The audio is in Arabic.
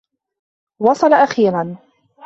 وصل أخيرا.